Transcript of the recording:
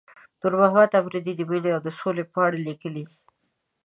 نورمحمد اپريدي د مينې او سولې په اړه ليکلي.